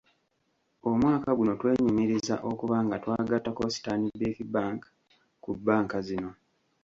Omwaka guno twenyumiriza okuba nga twagattako Stanbic Bank ku bbanka zino.